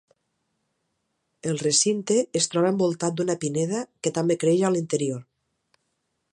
El recinte es troba envoltat d'una pineda que també creix a l'interior.